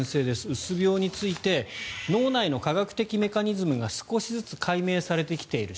うつ病について脳内の科学的メカニズムが少しずつ解明されてきている。